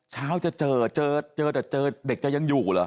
เช้าจะเจอเจอแต่เจอเด็กจะยังอยู่เหรอ